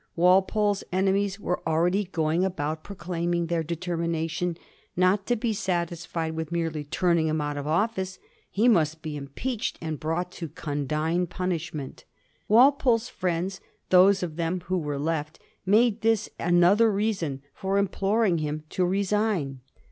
Walpole's enemies were already going about proclaiming their de termination not to be satisfied with merely turning him out of office; he must be impeached and brought to con dign punishment. Walpole's friends — those of them who were left — made this another reason for imploring him to resign.